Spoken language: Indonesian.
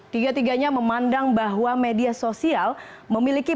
tiga tiganya memandang bahwa media sosial memiliki